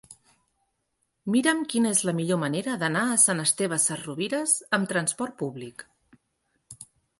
Mira'm quina és la millor manera d'anar a Sant Esteve Sesrovires amb trasport públic.